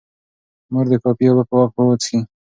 مور دې کافي اوبه په وقفو وڅښي.